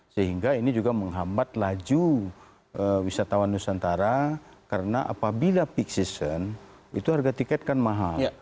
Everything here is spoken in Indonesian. sehingga ini juga menghambat laju wisatawan nusantara karena apabila peak season itu harga tiket kan mahal